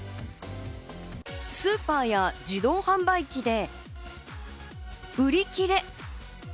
スーパーや自動販売機で売り切れ。